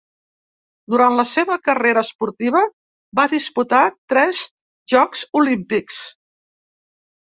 Durant la seva carrera esportiva va disputar tres Jocs Olímpics.